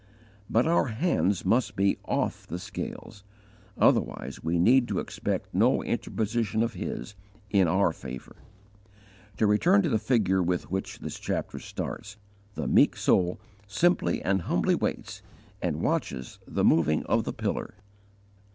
But our hands must be off the scales, otherwise we need expect no interposition of His, in our favour. To return to the figure with which this chapter starts, the meek soul simply and humbly waits, and _watches the moving of the Pillar.